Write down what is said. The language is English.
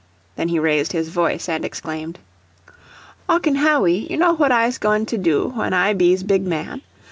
Then he raised his voice, and exclaimed: "Ocken Hawwy, you know what Iz'he goin' do when I be's big man?